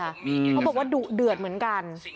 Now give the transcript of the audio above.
เขาบอกว่าดุเดือดเหมือนกัน